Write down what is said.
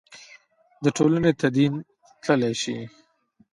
د ټولنې تدین تللای شي.